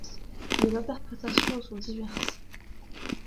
Les interprétations en sont diverses.